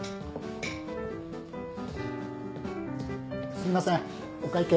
すみませんお会計。